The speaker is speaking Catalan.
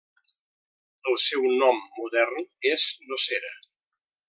El seu nom modern és Nocera.